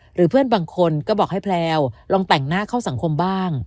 หรือเพื่อนบางคนก็บอกให้แพลวลองแต่งหน้าเข้าสังคมบ้าง